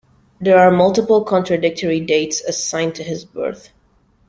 There are multiple contradictory dates assigned to his birth.